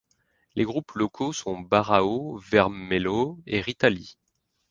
Les groupes locaux sont Barão Vermelho et Rita Lee.